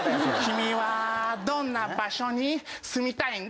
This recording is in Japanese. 「君はどんな場所に住みたいんだい？